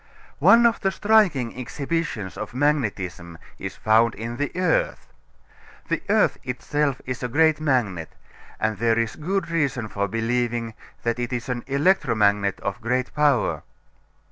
One of the striking exhibitions of magnetism is found in the earth. The earth itself is a great magnet; and there is good reason for believing that it is an electromagnet of great power.